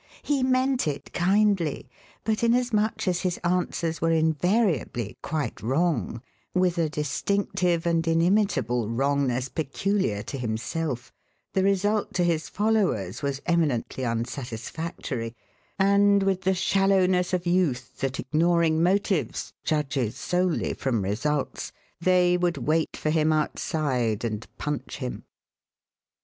He meant it kindly, but inasmuch as his answers were invariably quite wrong with a distinctive and inimitable wrongness peculiar to himself the result to his followers was eminently unsatisfactory; and with the shallowness of youth that, ignoring motives, judges solely from results, they would wait for him outside and punch him.